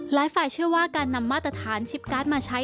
ฝ่ายเชื่อว่าการนำมาตรฐานชิปการ์ดมาใช้